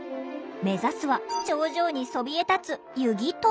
目指すは頂上にそびえ立つ瑜祗塔。